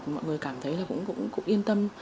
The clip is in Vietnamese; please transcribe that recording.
mọi người cảm thấy là cũng yên tâm